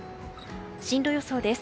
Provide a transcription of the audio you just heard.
進路予想です。